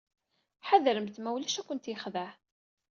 Ḥadremt ma ulac ad kent-yexdeɛ.